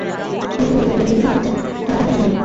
বস্তুগুলিকে যেমন দেখা যাইতেছে, তাহারা ঠিক তেমনটি নয়।